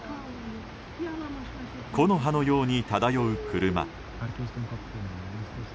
木の葉のように漂う車。